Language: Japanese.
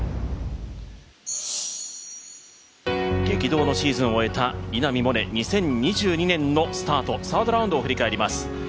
激動をシーズンを終えた稲見萌寧、２０２２年のスタート、サードラウンドを振り返ります。